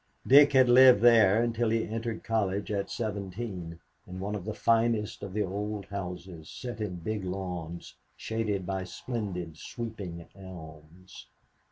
Dick had lived there, until he entered college at seventeen, in one of the finest of the old houses, set in big lawns, shaded by splendid, sweeping elms.